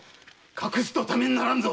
隠すとためにならんぞ！